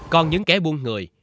còn những kẻ buôn người